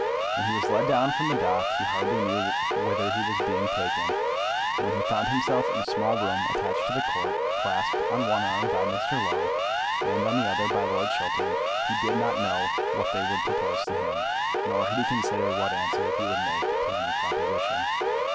When he was led down from the dock he hardly knew whither he was being taken, and when he found himself in a small room attached to the Court, clasped on one arm by Mr. Low and on the other by Lord Chiltern, he did not know what they would propose to him, nor had he considered what answer he would make to any proposition.